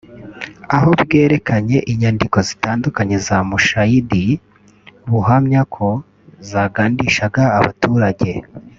aho bwerekanye inyandiko zitandukanye za Mushayidi buhamya ko zagandishaga abaturage